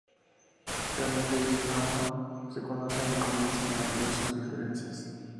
Camille y Amma se conocen y comienzan a olvidar sus diferencias.